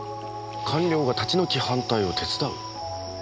官僚が立ち退き反対を手伝う？